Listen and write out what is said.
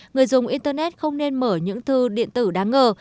người dùng internet không nên mở những thư điện tử đáng ngờ